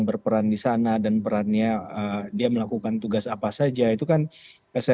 berperan di sana dan perannya dia melakukan tugas apa saja itu kan saya